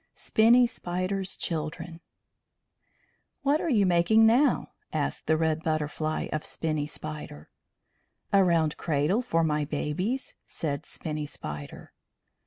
SPINNY SPIDER'S CHILDREN "What are you making now?" asked the Red Butterfly of Spinny Spider. "A round cradle for my babies," said Spinny Spider.